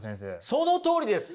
そのとおりです！